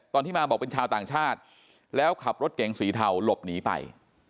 ตอนที่มาบอกเป็นชาวต่างชาติแล้วขับรถเก๋งสีเทาหลบหนีไป